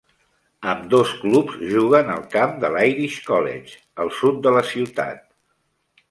Ambdós clubs juguen al camp de l'Irish College al sud de la ciutat.